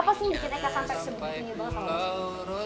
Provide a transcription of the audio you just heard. apa sih yang bikin eka sampai sebegitunya banget sama musiknya